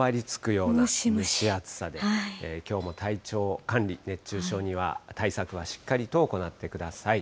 蒸し暑さで、きょうも体調管理、熱中症には、対策はしっかりと行ってください。